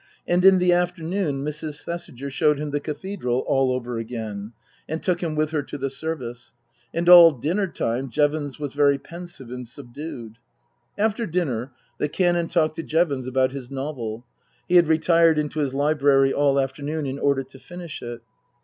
And in the afternoon Mrs. Thesiger showed him the Cathedral all over again ; and took him with her to the service. And all dinner time Jevons was very pensive and subdued. After dinner the Canon talked to Jevons about his novel. (He had retired into his library all afternoon in order to finish it.)